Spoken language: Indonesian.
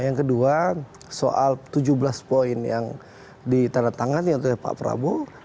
yang kedua soal tujuh belas poin yang ditandatangani oleh pak prabowo